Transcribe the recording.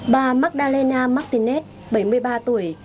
bà magdalena martinez bảy mươi ba tuổi